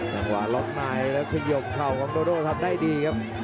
หลอกนายและพยมเข่าของโดโดทำได้ดีครับ